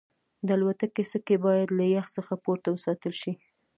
د الوتکې سکي باید له یخ څخه پورته وساتل شي